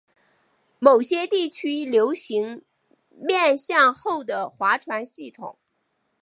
某些地区流行面向后的划船系统。